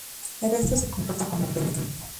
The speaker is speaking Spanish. El resto se comporta como benigno.